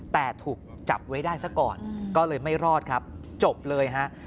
แต่ถูกจับไว้ได้ซะก่อนก็เลยไม่รอดครับจบเลยฮะ